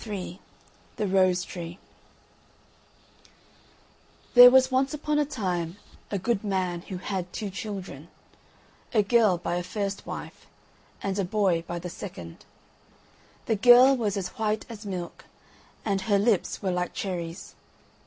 THE ROSE TREE There was once upon a time a good man who had two children: a girl by a first wife, and a boy by the second. The girl was as white as milk, and her lips were like cherries.